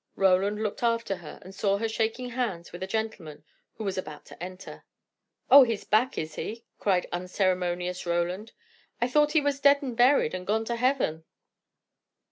Roland looked after her, and saw her shaking hands with a gentleman, who was about to enter. "Oh, he's back, is he!" cried unceremonious Roland. "I thought he was dead and buried, and gone to heaven."